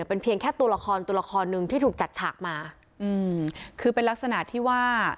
เป็นเพียงแค่ตัวละครตัวละครหนึ่งที่ถูกจัดฉากมาอืมคือเป็นลักษณะที่ว่า